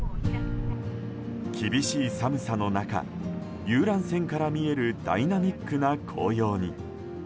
厳しい寒さの中遊覧船から見えるダイナミックな紅葉に。